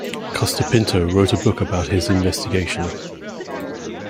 Costa Pinto wrote a book about his investigation.